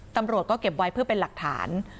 ตำรวจก็เก็บไว้เพื่อเป็นหลักฐาน